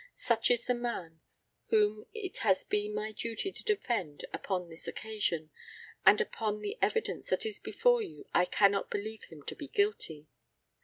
Such is the man whom it has been my duty to defend upon this occasion, and upon the evidence that is before you I cannot believe him to be guilty.